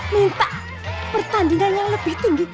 minta pertandingan yang lebih tinggi